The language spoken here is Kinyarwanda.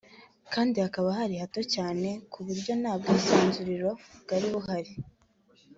kandi hakaba hari hato cyane ku buryo nta bwisanzuriro bwari buhari